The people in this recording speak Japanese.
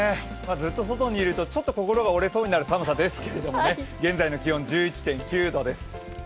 ずっと外にいるとちょっと心が折れそうになる寒さですけれども、現在の気温１１．９度です。